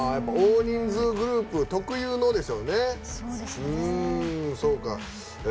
大人数グループ特有のでしょうね。